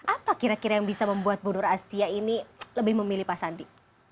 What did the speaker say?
apa kira kira yang bisa membuat bunur asia ini lebih memilih pak sandi